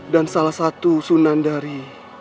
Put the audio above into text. dan salah satu sunan dari